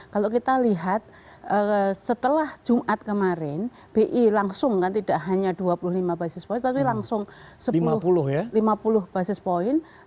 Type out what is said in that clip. kalau kita lihat setelah jumat kemarin bi langsung kan tidak hanya dua puluh lima basis point tapi langsung lima puluh basis point